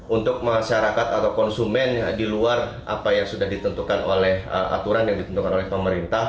untuk masyarakat atau konsumen di luar apa yang sudah ditentukan oleh aturan yang ditentukan oleh pemerintah